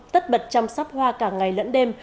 tất bật chăm sóc hoa cả ngày lẫn đêm